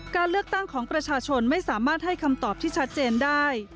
การเลือกตั้งของประชาชนไม่สามารถให้คำตอบที่ชัดเจนได้